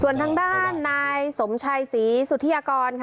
ส่วนทางด้านนายสมชัยศรีสุธิยากรค่ะ